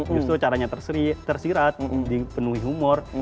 justru caranya tersirat dipenuhi humor